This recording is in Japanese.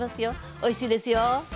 おいしいですよ。